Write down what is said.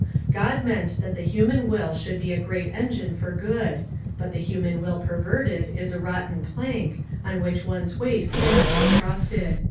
God meant that the human will should be a great engine for good, but the human will perverted, is a rotten plank, on which one's weight can not be trusted.